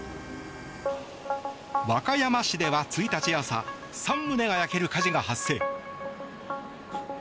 和歌山市では１日朝３棟が焼ける火事が発生。